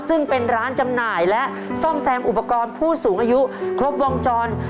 ซึ่งเป็นร้านจำหน่ายและซ่อมแซมอุปกรณ์ผู้สูงอายุครบวงจร